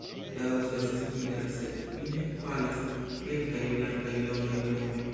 La dorso estas nigra, sed fine falas kelkaj blankaj longaj plumoj.